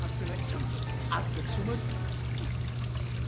ちゃんと預かり証もある。